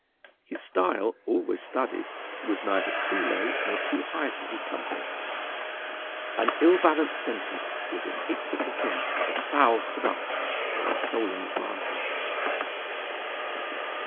His style, always studied, was neither too low nor too high for his subject. An ill balanced sentence was as hateful to him as a foul thrust or a stolen advantage.